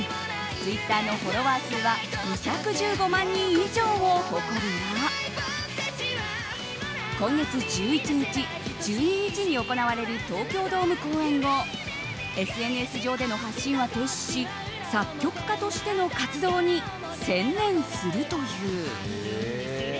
ツイッターのフォロワー数は２１５万人以上を誇るが今月１１日、１２日に行われる東京ドーム公演後ＳＮＳ上での発信は停止し作曲家としての活動に専念するという。